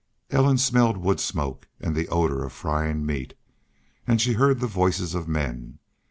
Ellen smelled wood smoke and the odor of frying meat, and she heard the voices of men.